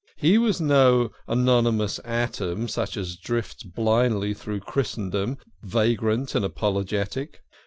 He was no anonymous atom, such as drifts blindly through Christendom, vagrant and apologetic.